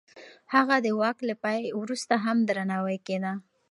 هغه د واک له پای وروسته هم درناوی کېده.